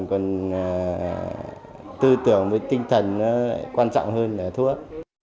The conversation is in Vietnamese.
còn tư tưởng với tinh thần nó quan trọng hơn là thuốc